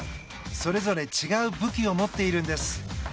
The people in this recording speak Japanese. それぞれ違う武器を持っているんです。